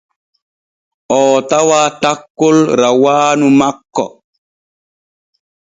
Oo tawaa takkol rawaanu makko.